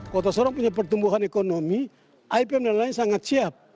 kota sorong punya pertumbuhan ekonomi ipm dan lain sangat siap